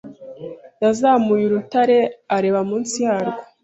yazamuye urutare areba munsi yarwo.